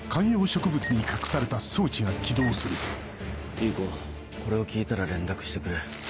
裕子これを聞いたら連絡してくれ。